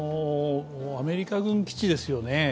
アメリカ軍基地ですよね